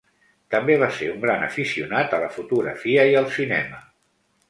També va ser un gran aficionat a la fotografia i al cinema.